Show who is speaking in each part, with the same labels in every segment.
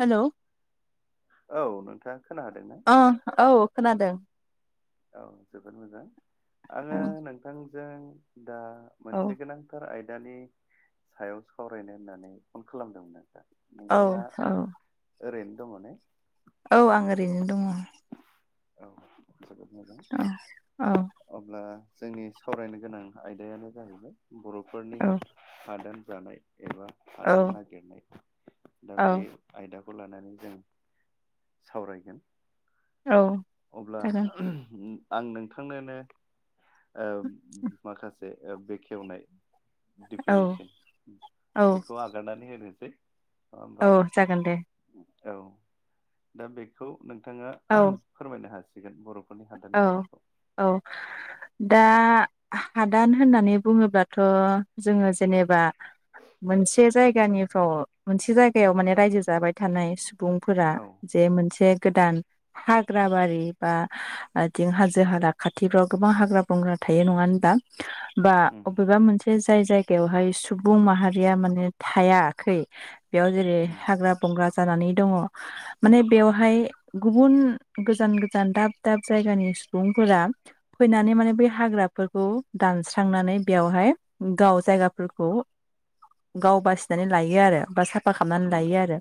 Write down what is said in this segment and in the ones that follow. Speaker 1: Hello,
Speaker 2: औ नोंथाङा खोनाहादों ना?
Speaker 1: अह औ खोनादो।
Speaker 2: औ जोबोद मोजां
Speaker 1: औ
Speaker 2: आरो नोंथांजों। दा मोनसे
Speaker 1: औ
Speaker 2: गोनांथार आयदानि। सायाव सावरायनो होननानै फन खालामदोंमोन आरो दा
Speaker 1: औ
Speaker 2: नोंथाङा।
Speaker 1: औ
Speaker 2: ओरैनो दङ ने?
Speaker 1: औ आं ओरैनो दङ।
Speaker 2: औ जोबोद
Speaker 1: औ
Speaker 2: मोजां। अब्ला जोंनि सावरायनो गोनां आयदायानो जाहैबाय, बर'फोरनि
Speaker 1: औ
Speaker 2: हादान जानाय एबा हादान
Speaker 1: औ
Speaker 2: नागिरनाय, दा बे
Speaker 1: औ
Speaker 2: आयदाखौ लानानै जों सावरायगोन।
Speaker 1: औ
Speaker 2: अब्ला,
Speaker 1: जागोन
Speaker 2: ओब आं नोंथांनोनो ओब माखासे ओ बेखेवनाय
Speaker 1: औ
Speaker 2: डिफिनेसन
Speaker 1: औ
Speaker 2: बेखौ आब नानै होनोसै नङा
Speaker 1: औ
Speaker 2: होमबा?
Speaker 1: जागोन दे
Speaker 2: औ दा बेखौ नोंथाङा
Speaker 1: औ
Speaker 2: फोरमायनो हासिगोन बर' फोरनि हादान
Speaker 1: औ
Speaker 2: जानायखौ
Speaker 1: औ दा हादान होननानै बुङोबाथ' जोङो जेनेबा मोनसे जायगानिथ' मोनसे जायगायाव माने रायजो जाबाय थानाय सुबुंफोरा
Speaker 2: औ
Speaker 1: जे मोनसे गोदान हाग्रा बारि बा आथिं हाजो हाला खाथिफ्राव गोबां हाग्रा बंग्रा थायो नङा होनबा। बा
Speaker 2: उम
Speaker 1: अबेबा मोनसे जाय जायगायावहाय सुबुं माहारिया माने थायाखै। बेयाव जेरै
Speaker 2: उम
Speaker 1: हाग्रा बंग्रा जानानै दङ। माने बेवहाय गुबुन गोजान गोजान दाब दाब जायगानि सुबुंफोरा फैनानै माने बै हाग्राफोरखौ दानस्रांनानै बेयावहाय गाव जायगाफोरखौ गाव बासिनानै लायो आरो बा साफा खालामनानै लायो
Speaker 2: नंगौ
Speaker 1: आरो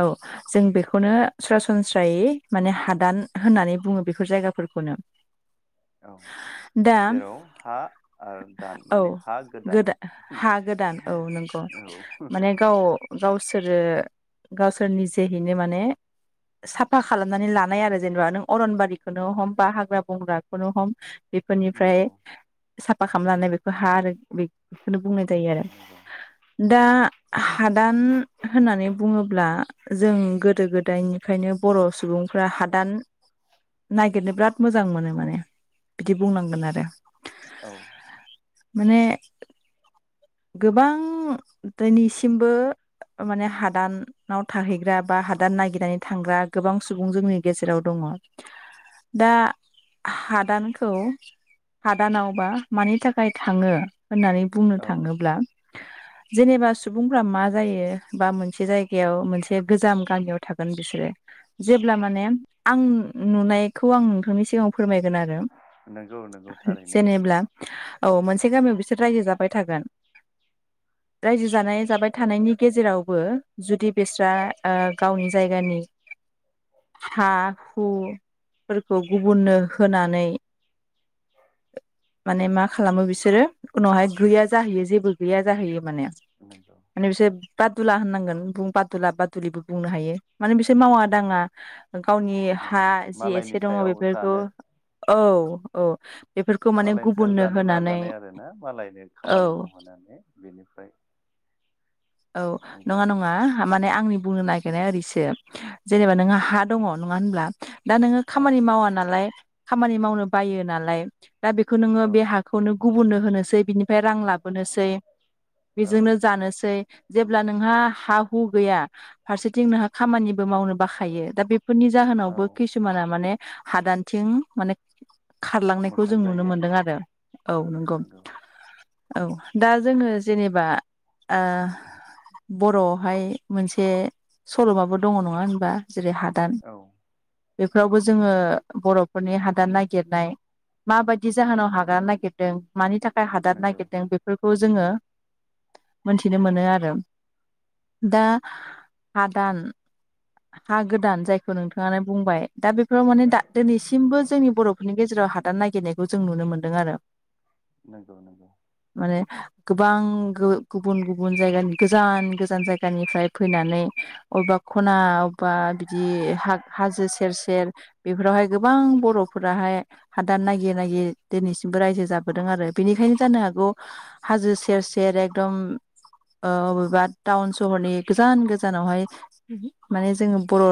Speaker 1: औ जों बेखौनो सरासनस्रायै माने हादान होननानै बुङो बेखौ बेफोर जायगाफोरखौनो
Speaker 2: औ
Speaker 1: दा
Speaker 2: जेराव हा आरो दान
Speaker 1: औ
Speaker 2: माने हा गोदान
Speaker 1: गोदा हा गोदान नंगौ औ माने गाव गावसोरो गावसोरनि जेहैनो माने साफा खालामनानै लानाय आरो जेनेबा नों अरन नो हम बा हाग्रा बंग्राखौनो हम
Speaker 2: नंगौ
Speaker 1: बेफोरनिफ्राय साफा खालामनानै बेखौ हा आरो बे बेखौनो बुंनाय जायो आरो
Speaker 2: नंगौ
Speaker 1: दा हादान होननानै बुङोब्ला जों गोदो गोदायनिफ्रायायनो बर' सुबुंफ्रा हादान नायागिरनो बिराद मोजां मोनो माने बिदि बुंनांगोन आरो
Speaker 2: औ
Speaker 1: माने गोबां दोनैसिमबो। माने हादान नाव थाहैग्रा बा हादान ननायागिरनानै थांग्रा गोबां सुबुं जोंनि गेजेराव दङ। दा हादानखौ हादानावबा मानि थाखाय थाङो होननानै बुंनो
Speaker 2: औ
Speaker 1: थाङोब्ला
Speaker 2: [inaudible]
Speaker 1: जेनेबा सुबुंफ्रा मा जायो बा मोनसे जायगायाव मोनसे गोजाम गामियाव थागोन बिसोरो जेब्ला माने आं नुनायखौ आं नोंथांनि सिगाङाव फोरमायगोन आरो
Speaker 2: नंगौ नंगौ थारैनो
Speaker 1: जेनेब्ला। औ मोनसे गामियाव बिसोर रायजो जाबाय थागोन।
Speaker 2: [inaudible]
Speaker 1: रायजो जानाय जाबाय थानायनि गेजेरावबो जुदि बिस्रा ओ गावनि जायगानि
Speaker 2: [inaudible]
Speaker 1: हा हुफोरखौ गुबुननो होनानै माने मा खालामो बिसोरो उनावहाय गैया जाहैयो जेबो गैया जाहैयो माने।
Speaker 2: नंगौ।
Speaker 1: माने बिसोर बादुला होननांगोन बुं बादुला बादुलिबो बुंनो हायो माने बिसोर मावा दाङा। गावनि हा
Speaker 2: माने
Speaker 1: जि
Speaker 2: मालायनि
Speaker 1: एसे दङ
Speaker 2: सायाव
Speaker 1: बेफोरखौ
Speaker 2: जानो
Speaker 1: औ औ। बेफोरखौ माने
Speaker 2: मालायनि सायाव
Speaker 1: गुबुननो
Speaker 2: जानो
Speaker 1: होनानै
Speaker 2: नाजानाय आरोना मालायनो खामानि
Speaker 1: औ
Speaker 2: मावहोनानै बेनिफ्राय
Speaker 1: औ
Speaker 2: नंगौ
Speaker 1: नङा नङा माने आंनि बुंनो नागिरनाया ओरैसो जेनेबा नोंहा हा दङ नङा होनब्ला दा नोङो खामानि
Speaker 2: औ
Speaker 1: मावा नालाय। खामानि मावनो बायो नालाय दा बेखौ नोङो
Speaker 2: औ
Speaker 1: बे हाखौ। खौनो गुबुननो होनोसै बिनिफ्राय रां लाबोनोसै
Speaker 2: औ
Speaker 1: बेजोंनो जानोसै। जेब्ला नोंहा हा हु गैया फारसेथिं नोंहा खामानिबो मावनो बाखायो दा बेफोरनि
Speaker 2: औ
Speaker 1: जाहोनावबो किसुमाना माने हादानथिं माने खारलांनायखौ
Speaker 2: मोखां
Speaker 1: जों नुनो
Speaker 2: जायो
Speaker 1: मोनदों आरो औ नंगौ। औ दा जोङो जेनेबा ओ बर'आवहाय मोनसे सल'माबो दङ नङा होनबा जेरै हादान
Speaker 2: औ।
Speaker 1: बेफोरावबो जोङो बर'फोरनि हादान नागिरनाय। माबायदि जाहोनाव हादान नागिर दों मानि थाखाय हादार
Speaker 2: नंगौ
Speaker 1: नागिरदों बेफोरखौ जोङो मोनथिनो मोनो आरो। दा हादान हा गोदान जायखौ नोंथाङानो बुंबाय दा बेफोराव माने दा दिनैसिमबो जोंनि बर'फोरनि गेजेराव हा दान नागिरनायखौ जों नुनो मोन्दो आरो।
Speaker 2: नंगौ नंगौ।
Speaker 1: माने गोबां गुबुन गुबुन जायगानि गोजान गोजान जायगानिफ्राय फैनानै अबेबा खना बा बिदि हाजो सेर सेर बेफोरावहाय गोबां
Speaker 2: नंगौ
Speaker 1: बर' फोराहाय हादान नागिरै नागिर दिनैसिमबो रायजो जाबोदों आरो बेनिखायनो जानो हागौ हाजो सेर सेर एकदम। अबेबा टाउन सहरनि गोजान गोजानावहाय माने जोङो बर'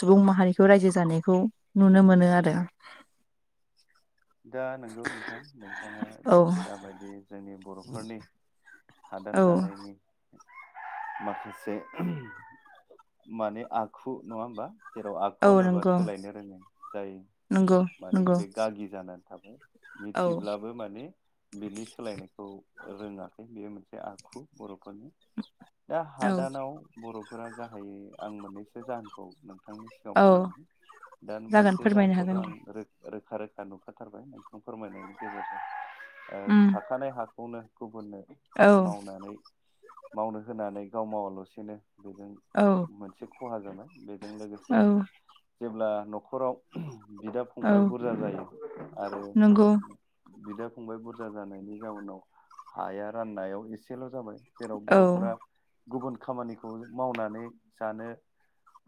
Speaker 1: सुबुं माहारिखौ रायजो जानायखौ नुनो मोनो आरो।
Speaker 2: दा नंगौ नोंथां नोंथाङा
Speaker 1: औ
Speaker 2: जाबायदि जोंनि बर'फोरनि हादान
Speaker 1: औ
Speaker 2: जानायनि माखासे माने आखु नङा होनबा जेराव
Speaker 1: औ
Speaker 2: आखु होनोबा
Speaker 1: नंगौ
Speaker 2: सोलायनो रोङो जाय
Speaker 1: नंगौ
Speaker 2: माने
Speaker 1: नंगौ
Speaker 2: बे गागि जानानै थाबाय।
Speaker 1: औ
Speaker 2: मिथिब्लाबो माने। बिनि सोलायनायखौ रोङाखै बेयो मोनसे आखु बर'फोरनो दा
Speaker 1: औ
Speaker 2: हादानाव बर'फोरा गाहायै आं मोननैसो जाहोनखौ नों नोंथांनि सिगाङाव
Speaker 1: औ
Speaker 2: फोरमायनो दा
Speaker 1: जागोन
Speaker 2: मोनसे
Speaker 1: फोरमायनो
Speaker 2: जाहोनखौथ'
Speaker 1: हागोन
Speaker 2: आं
Speaker 1: दे
Speaker 2: रोखा रोखा। नुखाथारबाय नोंथां फोरमायनायनि गेजेरजों
Speaker 1: उम
Speaker 2: थाखानाय हाखौनो गुबुन
Speaker 1: औ
Speaker 2: मावनानै मावनो होनानै गाव मावाालसेनो बेजों
Speaker 1: औ
Speaker 2: मोनसे खहा जानाय बेजों लोगोसे
Speaker 1: औ
Speaker 2: जेब्ला न'खराव बिदा
Speaker 1: औ
Speaker 2: फंबाय बुरजा जायो आरो।
Speaker 1: नंगौ
Speaker 2: बिदा फंबाय बुरजा जानायनि जाउनाव हाया राननायाव एसेल' जाबाय जेराव
Speaker 1: औ
Speaker 2: बर'फोरा गुबुन खामानिखौ मावनानै जानो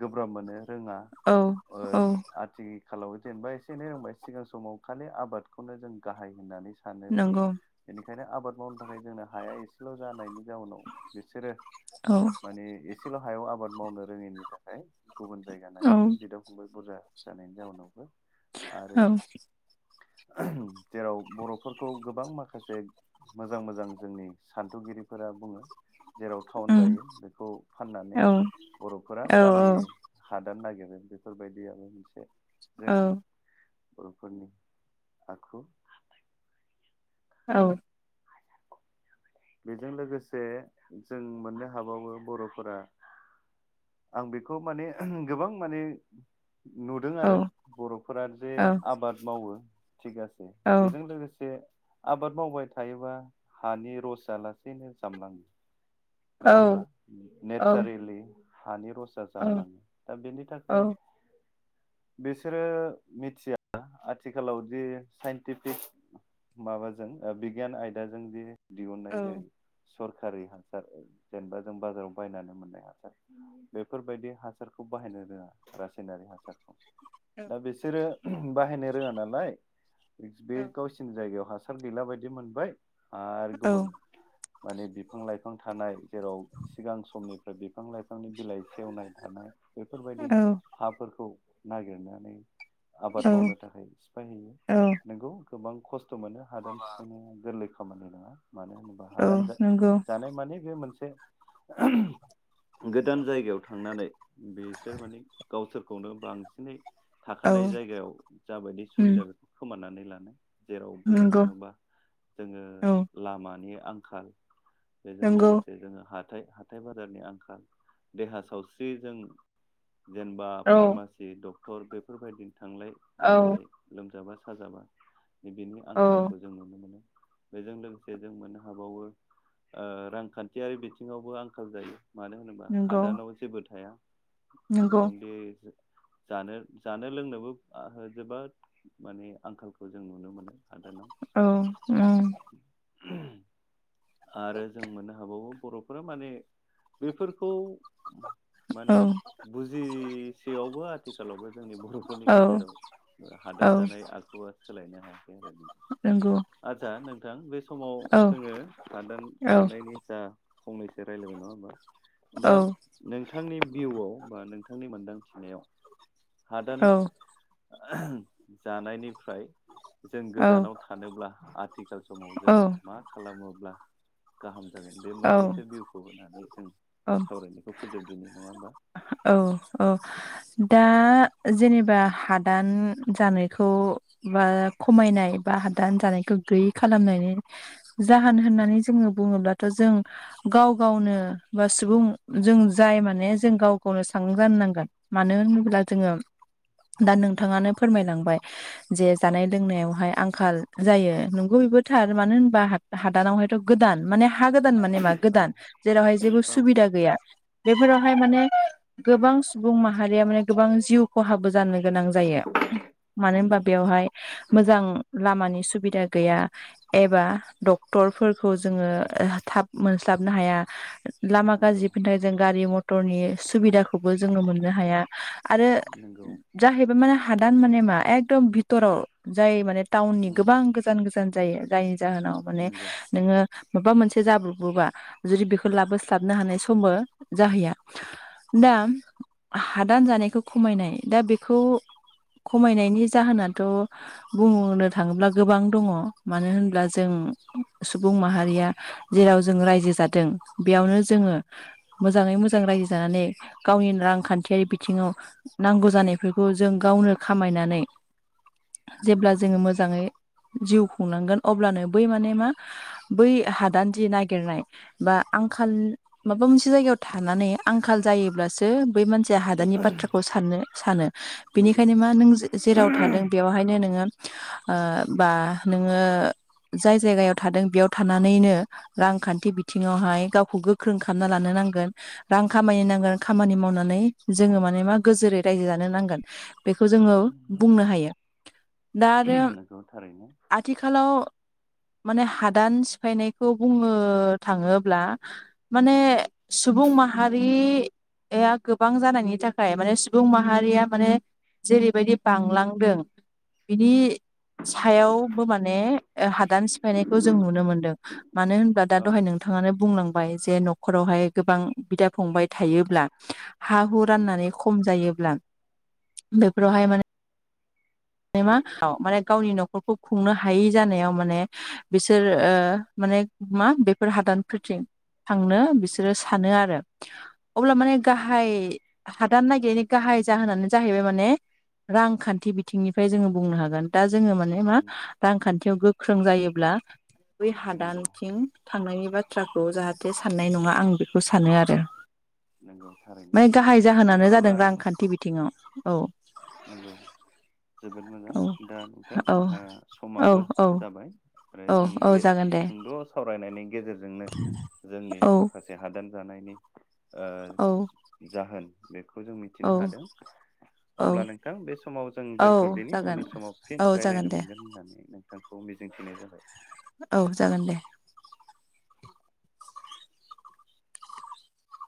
Speaker 2: गोब्राब मोनो रोङा
Speaker 1: औ
Speaker 2: ओ
Speaker 1: औ
Speaker 2: आथिखालाव जेनेबा एसे एनै रोंबाय सिगां समाव खालि आबादखौनो जों गाहाय होननानै सानो
Speaker 1: नंगौ
Speaker 2: बेनिखायनो आबाद मावनो थाखाय जोंनो हाया एसेल' जानायनि जाउनाव बिसोरो
Speaker 1: औ
Speaker 2: माने एसेल' हायाव आबाद मावनो रोङैनि थाखाय गुबुन जायगा
Speaker 1: औ
Speaker 2: नागिरदों बिदा फंबाय बुरजा जानायनि जाउनावबो आरो
Speaker 1: औ
Speaker 2: जेराव बर'फोरखौ गोबां माखासे मोजां मोजां जोंनि सान्थौगिरिफोरा बुङो जेराव टाउन
Speaker 1: उम
Speaker 2: जायो बेखौ फाननानै
Speaker 1: औ
Speaker 2: बर'फोरा
Speaker 1: औ
Speaker 2: गामि हादान नागिरो बेफोरबायदियाबो मोनसे
Speaker 1: औ
Speaker 2: जोंनि बर'फोरनि आखु
Speaker 1: औ
Speaker 2: बेजों लोगोसे जों मोननो हाबावो बर'फोरा आं बेखौ माने गोबां माने नुदों
Speaker 1: औ
Speaker 2: आरो बर'फोरा जे आबाद मावो थिगासे
Speaker 1: औ
Speaker 2: बेजों लोगोसे आबाद मावबाय थायोबा हानि रसा लासैनो जामलाङो नङा होमबा नेचारेलि हानि रसा
Speaker 1: औ
Speaker 2: जामलाङो दा बेनि थाखाय बिसोरो मिथिया आथिखालाव जे साइन्टिफिक माबाजों ओ बिगियान आयदाजों जे दिहुननाय जेरै सरकारि हा सार जेनेबा जों बाजाराव बायनानै मोननायङा सार बेफोरबायदि हासारखौ बाहायनो रोङा रासायनारि हासारखौ दा बिसोरो बाहायनो रोङा नालाय बे गावसिनि जायगायाव हा सार गैला बायदि मोनबाय आरो गुबुन माने बिफां लाइफां बिफां थानाय जेराव सिगां समनिफ्राय बिफां लाइफां बिफांनि बिलाइ सेवनाय थानाय बेफोरबायदि हाफोरखौ नागिरनानै आबाद मावनो थाखाय सिफायहैयो
Speaker 1: औ
Speaker 2: नोंगौ गोबां खस्थ' मोनो हादान सिफायनाया गोरलै खामानि नङा मानो होनोबा
Speaker 1: औ
Speaker 2: हादान
Speaker 1: नंगौ
Speaker 2: जानाय माने बे मोनसे गोदान जायगायाव थांनानै बिसोर माने गावसोरखौनो बांसिनै
Speaker 1: औ
Speaker 2: थाखानाय
Speaker 1: उम
Speaker 2: जायगायाव जाबायदि सुबिदा बेखौ खोमानानै लानो जेराव बुंनो
Speaker 1: नंगौ
Speaker 2: थाङोबा जोङो
Speaker 1: औ
Speaker 2: लामानि आंखाल बेजों
Speaker 1: नंगौ
Speaker 2: लोगोसे जोङो हा हाय हाथाय बाजारनि आंखाल देहा सावस्रि जों जेनेबा
Speaker 1: औ
Speaker 2: फारमासि जि डक्टर बेफोरबायदिनो थांलाय
Speaker 1: औ
Speaker 2: लाबोलाय लोमजाबा साजाबा बेेनि
Speaker 1: औ
Speaker 2: आंखालखौ जों नुनो मोनो बेजों लोगोसे जों मोननो हाबावो ओ रांखान्थियारि बिथिङावबो आंखाल जायो मानो होनोबा
Speaker 1: नंगौ
Speaker 2: हादानाव जेबो थाया
Speaker 1: नंगौ
Speaker 2: औ दे जानो जानो लोंनोबो जोबोद माने आंखालखौ जों नुनो मोनो हादानाव
Speaker 1: औ ओम
Speaker 2: [unintelligible] आरो जों मोननो हाबावो बर'फोरा माने बेफोरखौ माने बुजिसेयावबो आथिखालावबो जोंनि बर'फोरनि
Speaker 1: औ
Speaker 2: गेजेराव
Speaker 1: औ
Speaker 2: हादान जानाय आ खुआ सोलायनो हायाखै आरो
Speaker 1: नंगौ
Speaker 2: नोंथां आदसा नोंथां बे समाव
Speaker 1: औ
Speaker 2: जोङो हादान
Speaker 1: औ
Speaker 2: जानायनि जा फंनैसो रायजलायबाय नङा होमबा
Speaker 1: औ
Speaker 2: दा नोंथांनि भिउआव बा नोंथांनि मोनदांथिनायाव
Speaker 1: औ
Speaker 2: हादान जानायनिफ्राय जों गोजानाव थानोब्ला आथिखाल समाव जों मा खालामोब्ला गाहाम जागोन बे
Speaker 1: औ
Speaker 2: मोननैसो भिउखौ होनानै जों सावरायनायखौ फोजोबदिनि नङा होमबा
Speaker 1: औ-औ दा जेनेबा हादान जानायखौ बा खमायनाय बा हादान जानायखौ गैयै खालामनायनि जाहोन होननानै जोङो बुङोब्लाथ' जों गाव गावनो बा सुबुं जों जाय माने जों गाव खौनो सांगां जानो नांगोन मानो होनोब्ला जोङो दा नोंथाङानो फोरमायलांबाय जे जानाय लोंनायावहाय आंखाल जायो नंगौ बेबोथार मानो होनबा हादानाव हायथ' गोदान माने हा गोदान माने मा हा
Speaker 2: औ
Speaker 1: गोदान जेरावहाय जेबो
Speaker 2: औ
Speaker 1: सुबिदा गैया बेफोरावहाय माने गोबां सुबुं माहारिया माने गोबां जिउ खहाबो जानो गोनां जायो मानो
Speaker 2: नंगौ
Speaker 1: होनबा बेवहाय मोजां लामानि सुबिदा गैया एबा डक्टरफोरखौ जोङो थाब मोनस्लाबनो हाया लामा
Speaker 2: नंगौ
Speaker 1: गाज्रि फोनथाय जों गारि मथरनि सुबिदाखौबो जोङो मोननो हाया आरो
Speaker 2: नंगौ
Speaker 1: जाहैबाय माने हादान माने मा एकदम बिथिराव जाय माने टाउननि
Speaker 2: उम
Speaker 1: गोबां गोजान गोजान जायो जायनि जाहोनाव माने
Speaker 2: नंगौ
Speaker 1: नोङो माबा मोनसे जाब्रबोबा जुदि बेखौ लाबोस्लाबनो हानाय समबो जाहैया दा हादान जानायखौ खमायनाय दा बेखौ खमायनायनि जाहोनाथ' बुंनो थाङोब्ला गोबां दङ मानो होनब्ला जों सुबुं माहारिया जेराव जों रायजो जादों बेयावनो जोङो मोजाङै मोजां रायजो जानानै गावनि रांखान्थियारि बिथिङाव नांगौ जानायफोरखौ जों गावनो खामायनानै जेब्ला
Speaker 2: नंगौ
Speaker 1: जोङो मोजाङै जिउ खुंनांगोन अब्लानो बै माने मा बै हादान जि नागिरनाय बा आंखाल माबा मोनसे जायगायाव थानानै आंखाल जायो अब्लासो बै मानसिया हादाननि बाथ्राखौ साननो सानो
Speaker 2: नंगौ
Speaker 1: बेनिखायनो मा नों जेराव थादों बेयावहायनो नोङो ओ बा नोङो जाय जायगायाव थादों बेयाव थानानैनो रांखान्थि बिथिङावहाय गावखौ गोख्रों खालामना लानो नांगोन रां खामायनो नांगोन खामानि मावनानै जोङो माने मा गोजोरै रायजो जानो नांगोन बेखौ जोङो
Speaker 2: नंगौ
Speaker 1: बुंनो हायो दा आरो आ
Speaker 2: नंगौ थारैनो
Speaker 1: आथिखालाव माने हादान सिफायनायखौ बुंनो थाङोब्ला माने सुबुं माहारि या गोबां जानायनि थाखाय माने सुबुं माहारिया माने जेरैबायदि बांलांदों बिनि सायावबो माने हादान सिफायनायखौ जों नुनो मोनदों मानो होनबा दा
Speaker 2: औ
Speaker 1: दहाय नोंथाङानो बुंलांबाय जे न'खरावहाय गोबां बिदा फंबाय थायो हा हु
Speaker 2: नंगौ
Speaker 1: राननानै खम जायोब्ला बेफोरावहाय माने माने मा गावनि न'खरखौ खुंनो हायै जानायाव माने बिसोर ओ माने मा बेफोर हादानफोरथिं थांनो बिसोरो सानो आरो अब्ला माने गाहाय
Speaker 2: नंगौ
Speaker 1: हादान ननायागिरैनि गाहाय जाहोनानो जाहैबाय माने रांखान्थि बिथिंनिफ्राय जोङो बुंनो हागोन दा जोङो माने मा रांखान्थियाव गोख्रों जायोब्ला बै
Speaker 2: नंगौ
Speaker 1: हादानथिं थांनायनि बाथ्राखौ जाहाथे साननाय नङा आं बेखौ सानो आरो
Speaker 2: नंगौ थारै
Speaker 1: माने गाहाय जाहोनानो जादों रांखान्थि बिथिङाव औ
Speaker 2: नंगौ जोबोद मोजां
Speaker 1: औ
Speaker 2: दा नोंथां
Speaker 1: औ
Speaker 2: जोंहा
Speaker 1: औ
Speaker 2: समाबो
Speaker 1: औ
Speaker 2: जाबाय आरो
Speaker 1: औ
Speaker 2: जों
Speaker 1: औ
Speaker 2: बे
Speaker 1: जागोन दे
Speaker 2: सुंद' सावरायनायनि गेजेरजोंनो जोंनि
Speaker 1: औ
Speaker 2: माखासे हादान जानायनि
Speaker 1: औ
Speaker 2: जाहोन बेखौ जों मिथिनो
Speaker 1: औ
Speaker 2: हादों। अब्ला
Speaker 1: औ
Speaker 2: नोंथां बे समाव जों
Speaker 1: औ
Speaker 2: दोन्थ'दिनि
Speaker 1: जागोन
Speaker 2: उननि समाव
Speaker 1: औ
Speaker 2: फिन
Speaker 1: जागोन
Speaker 2: रायज्लायनो
Speaker 1: दे
Speaker 2: मोनगोन होननानै नोंथांखौ मिजिंथिनाय जाबाय
Speaker 1: औ जागोन दे